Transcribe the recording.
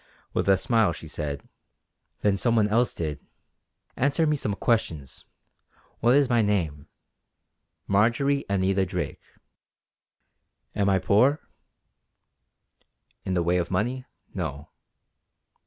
With a smile she said: "Then some one else did. Answer me some questions. What is my name?" "Marjory Anita Drake." "Am I poor?" "In the way of money, no."